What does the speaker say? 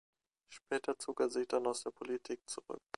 Später zog er sich dann aus der Politik zurück.